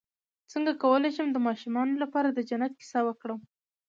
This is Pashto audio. څنګه کولی شم د ماشومانو لپاره د جنت کیسه وکړم